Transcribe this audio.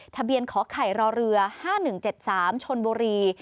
ทะเบียนขอข่ายรอเรือ๕๑๗๓ชนบุรี